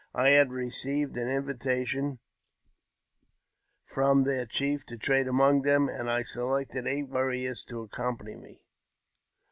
I had received ap invitation from their chief to trade among them, and I selected eight warriors to accompany me.